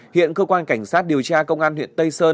hiện cơ quan cảnh sát điều tra công an huyện tây sơn